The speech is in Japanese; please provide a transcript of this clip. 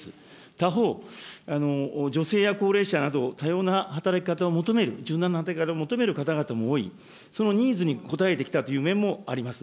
他方、女性や高齢者など多様な働き方を求める、柔軟な働き方を求める方々も多い、そのニーズに応えてきたという面もあります。